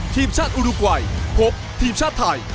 ทีมชาติอุรุกวัยพบทีมชาติไทย